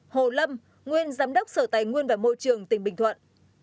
hai hồ lâm nguyên giám đốc sở tài nguyên và môi trường tỉnh bình thuận